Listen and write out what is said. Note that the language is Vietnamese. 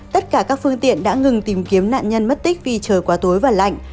tất cả các phương tiện đã ngừng tìm kiếm nạn nhân mất tích vì trời quá tối và lạnh